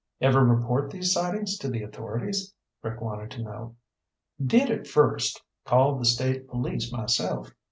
"Ever report these sightings to the authorities?" Rick wanted to know. "Did at first. Called the State Police myself.